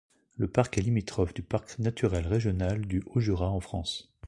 Le parc est limitrophe du parc naturel régional du Haut-Jura en France.